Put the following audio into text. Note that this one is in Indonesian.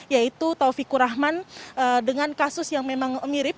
yaitu taufikur rahman dengan kasus yang memang mirip